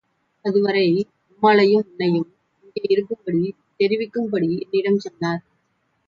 அதுவரை அம்மாளையும் உன்னையும் இங்கேயே இருக்கும்படி தெரிவிக்கும்படி என்னிடம் சொன்னார்.